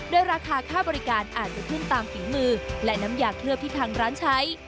โดยราคาค่าบริการอาจจะขึ้นตามฝีมือและน้ำยาเคลือบที่ทางร้านใช้